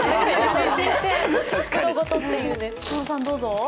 どうぞ。